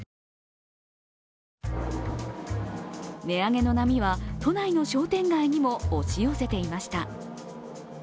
値上げの波は都内の商店街にも押し寄せていました。